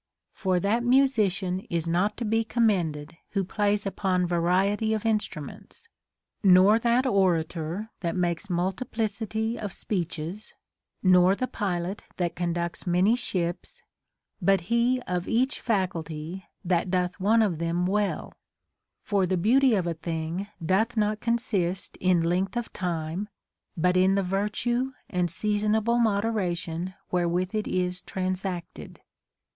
For that musician is not to be commended who plays upon variety of instruments, nor that orator that makes multiplicity of speeches, nor the pilot that conducts many ships, but he of each faculty that doth one of them well ; for the beauty of a thing doth not * From the Hypsipyle of Euripides. 318 CONSOLATION TO APOLLONIUS. consist in length of time, but in the virtue and seasonable moderation wherewith it is transacted.